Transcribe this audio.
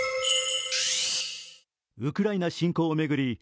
ウクライナ侵攻を巡り